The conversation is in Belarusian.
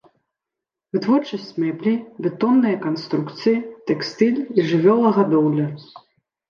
Вытворчасць мэблі, бетонныя канструкцыі, тэкстыль і жывёлагадоўля.